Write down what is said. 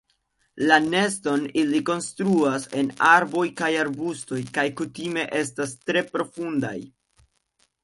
La neston ili konstruas en arboj kaj arbustoj kaj kutime estas tre profundaj.